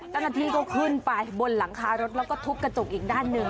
ตัวนายธีก็ขึ้นไปบนหลังขารถแล้วก็ทูกกระจกอีกด้านหนึ่ง